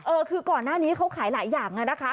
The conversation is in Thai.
เออคือก่อนหน้านี้เขาขายหลายอย่างอะนะคะ